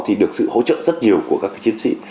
thì được sự hỗ trợ rất nhiều của các chiến sĩ